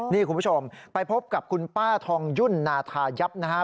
นี่คุณผู้ชมไปพบกับคุณป้าทองยุ่นนาทายับนะฮะ